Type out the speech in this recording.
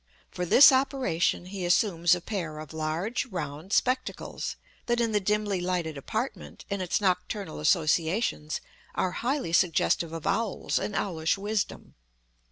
For this operation he assumes a pair of large, round spectacles, that in the dimly lighted apartment and its nocturnal associations are highly suggestive of owls and owlish wisdom.